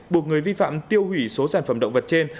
buộc người vi phạm tiêu hủy số sản phẩm động vật trên